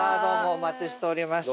お待ちしておりました。